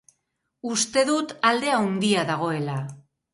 Uste dut alde handia dagoela.